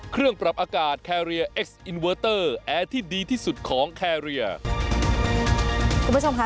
เครื่องปรับอากาศแอร์ที่ดีที่สุดของคุณผู้ชมค่ะ